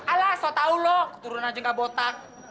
alah sok tau lo keturunan aja nggak botak